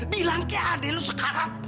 bilang ke adil lu sekarang